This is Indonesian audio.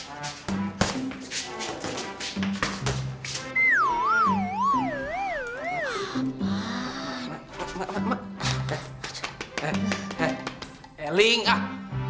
hei link ah